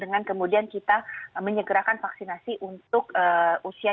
dengan kemudian kita menyegerakan vaksinasi untuk usia di atas delapan belas tahun